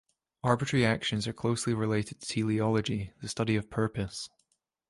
Arbitrary actions are closely related to teleology, the study of purpose.